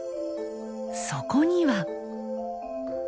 そこには。